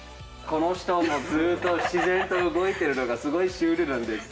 この人もずっと自然と動いてるのがすごいシュールなんです。